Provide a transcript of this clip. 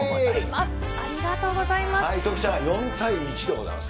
ありがとうございます。